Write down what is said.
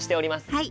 はい。